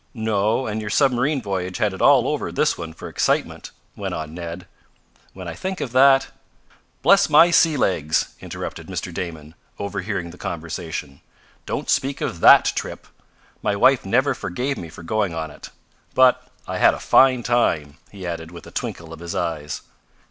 "No, and your submarine voyage had it all over this one for excitement," went on Ned. "When I think of that " "Bless my sea legs!" interrupted Mr. Damon, overhearing the conversation. "Don't speak of THAT trip. My wife never forgave me for going on it. But I had a fine time," he added with a twinkle of his eyes.